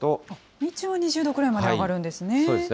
日中は２０度ぐらいまで上がるんですね。